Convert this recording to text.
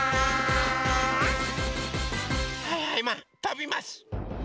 はいはいマンとびます！